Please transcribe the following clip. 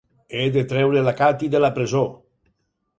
He de treure la Katie de la presó!